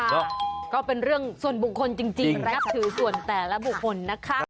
ก็เป็นเรื่องส่วนบุคคลจริงนับถือส่วนแต่ละบุคคลนะคะ